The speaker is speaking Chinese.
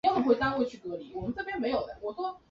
只剩哭泣声